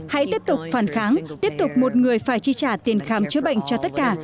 hãy tiếp tục phản kháng tiếp tục một người phải chi trả tiền khám chữa bệnh cho tất cả